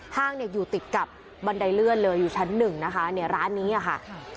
ห้างเนี่ยอยู่ติดกับบันไดเลื่อนเลยอยู่ชั้นหนึ่งนะคะเนี่ยร้านนี้ค่ะ